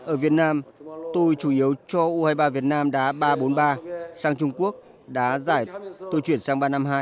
ở việt nam tôi chủ yếu cho u hai mươi ba việt nam đá ba trăm bốn mươi ba sang trung quốc đã tôi chuyển sang ba trăm năm mươi hai